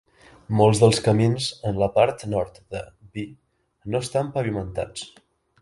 Molts dels camins en la part nord de Vie no estan pavimentats.